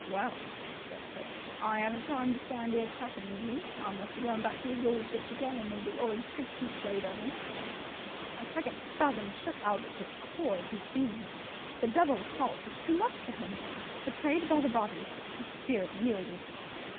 "Well," said Keggs, "I haven't time to stand 'ere chatting with you. I must be going back to 'is lordship, to tell 'im of the 'orrid trick you played on him." A second spasm shook Albert to the core of his being. The double assault was too much for him. Betrayed by the body, the spirit yielded.